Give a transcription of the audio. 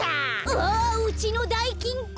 ああっうちのだいきんこ！